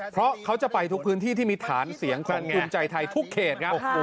เพราะเขาจะไปทุกพื้นที่ที่มีฐานเสียงของภูมิใจไทยทุกเขตครับ